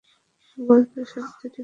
গঞ্জ শব্দটি ফরাসী।